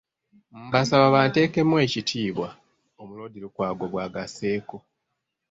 "Mbasaba banteekemu ekitiibwa", Omuloodi Lukwago bw’agasseeko.